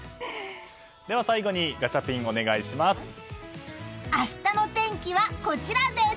最後にガチャピンお願いします。